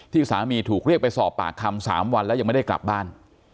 สามีถูกเรียกไปสอบปากคำ๓วันแล้วยังไม่ได้กลับบ้าน